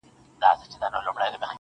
o د سرو شرابو د خُمونو د غوغا لوري.